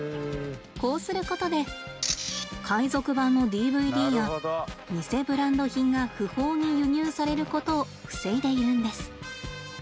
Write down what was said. こうすることで海賊版のＤＶＤや偽ブランド品が不法に輸入されることを防いでいるんです。